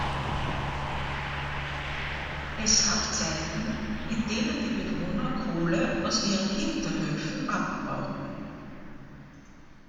Es gab Zeiten, in denen die Bewohner Kohle aus ihren Hinterhöfen abbauten.